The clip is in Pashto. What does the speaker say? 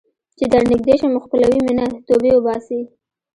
چې درنږدې شم ښکلوې مې نه ، توبې وباسې